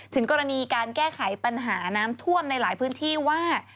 ถึงกรณีการแก้ไขปัญหาน้ำท่วมในหลายพื้นที่ว่า